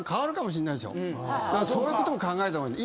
そういうことも考えた方がいい。